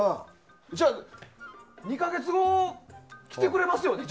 じゃあ、２か月後来てくれますよね？